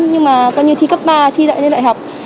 nhưng mà coi như thi cấp ba thi đại lên đại học